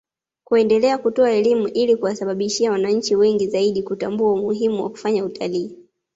kuendelea kutoa elimu ili kuwahamasisha wananchi wengi zaidi kutambua umuhimu wa kufanya utalii